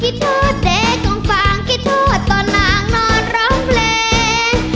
คิดโทษเด็กของฟังคิดโทษตอนนางนอนร้องเพลง